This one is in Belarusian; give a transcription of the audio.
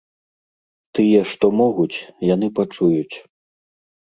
Тыя, што могуць, яны пачуюць.